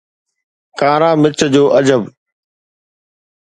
ڪارا مرچ جو عجب